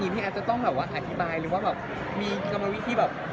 นี่พี่อาจจะต้องแหละว่าอธิบายเราไปว่าแบบมีอัมะวิธีแบบ